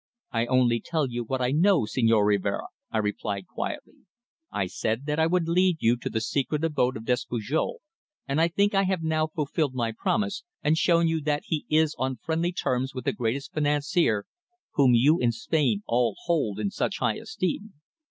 "I only tell you what I know, Señor Rivero," I replied quietly. "I said that I would lead you to the secret abode of Despujol, and I think I have now fulfilled my promise, and shown you that he is on friendly terms with the great financier whom you in Spain all hold in such high esteem."